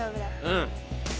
うん。